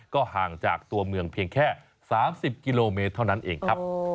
ก็ห่างจากตัวเมืองเพียงแค่๓๐กิโลเมตรเท่านั้นเองครับ